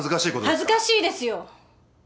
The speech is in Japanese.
恥ずかしいですよ！